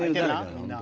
みんな。